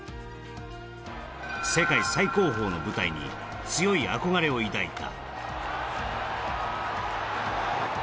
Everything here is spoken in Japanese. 世界最高峰の舞台に強い憧れを抱いた。